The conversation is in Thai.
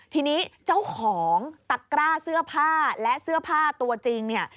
ทีนี้เจ้าของตะกร้าเสื้อผ้าและเสื้อผ้าตัวจริงเนี่ย